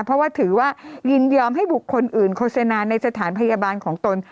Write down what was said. เพราะว่าถือว่ายินยอมให้บุคคลอื่นโฆษณาในสถานพยาบาลของตน